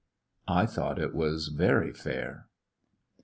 I thought it was very fair.